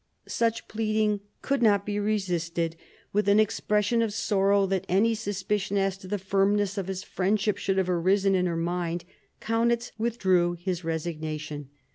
Such pleading could not be resisted. With an ex pression of sorrow that any suspicion as to the firmness of his friendship should have arisen in her mind, Kaunitz withdrew his resignation.